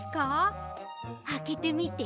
あけてみて。